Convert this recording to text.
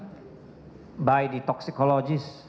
adanya hasil toksikologi yang dikeluarkan